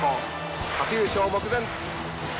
初優勝目前。